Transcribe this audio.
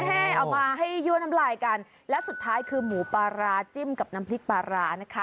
เอามาให้ยั่วน้ำลายกันและสุดท้ายคือหมูปลาร้าจิ้มกับน้ำพริกปลาร้านะคะ